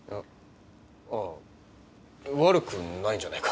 あああ悪くないんじゃないか？